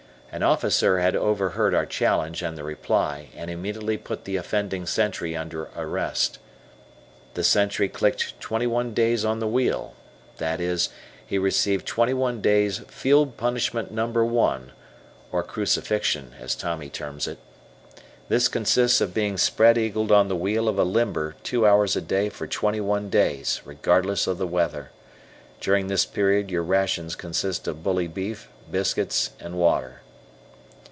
An officer had overheard our challenge and the reply, and immediately put the offending sentry under arrest. The sentry clicked twenty one days on the wheel, that is, he received twenty one days' Field Punishment No. I, or "crucifixion," as Tommy terms it. This consists of being spread eagled on the wheel of a limber two hours a day for twenty one days, regardless of the weather. During this period, your rations consist of bully beef, biscuits, and water.